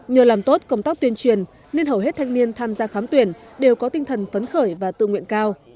nhờ làm tốt công tác tuyên truyền nên hầu hết thanh niên tham gia khám tuyển đều có tinh thần phấn khởi và tự nguyện cao